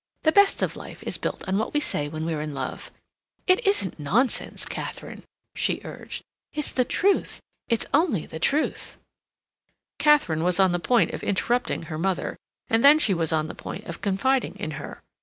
The best of life is built on what we say when we're in love. It isn't nonsense, Katharine," she urged, "it's the truth, it's the only truth." Katharine was on the point of interrupting her mother, and then she was on the point of confiding in her.